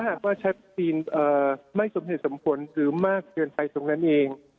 หากว่าใช้ประสิทธิ์เอ่อไม่สมเหตุสมควรหรือมากเกินไปตรงนั้นเอง